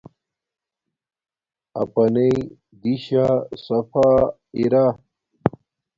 اپناݵ دیشا صفا ارا